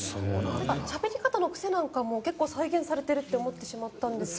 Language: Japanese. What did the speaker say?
しゃべり方の癖なんかも結構、再現されてると思ったんですけど。